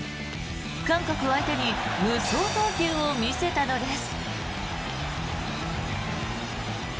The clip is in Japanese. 韓国相手に無双投球を見せたのです。